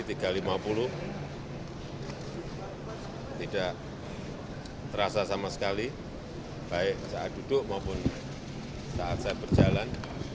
tidak terasa sama sekali baik saat duduk maupun saat saya berjalan